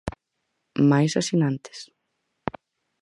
Máis asinantes.